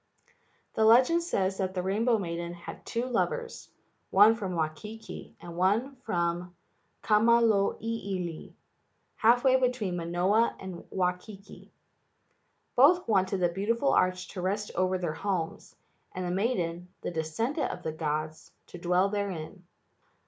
The legends say that the rainbow maiden had two lovers, one from Waikiki, and one from Kamoiliili, half way between Manoa and Waikiki. HAWAIIAN GHOST TESTING 85 Both wanted the beautiful arch to rest over their homes, and the maiden, the descendant of the gods, to dwell therein.